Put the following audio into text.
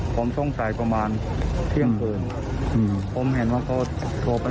ผมสงสัยประมาณเที่ยงคืนอืมผมเห็นว่าเขาโทรไป